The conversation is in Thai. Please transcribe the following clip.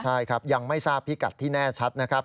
ใช่ครับยังไม่ทราบพิกัดที่แน่ชัดนะครับ